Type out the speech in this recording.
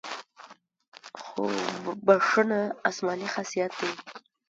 خو بښنه آسماني خاصیت دی.